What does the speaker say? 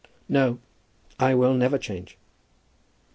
"No; I will never change."